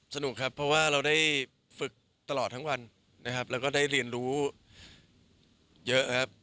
สนุกครับเพราะว่าเราได้ฝึกตลอดทั้งวันนะครับแล้วก็ได้เรียนรู้เยอะครับ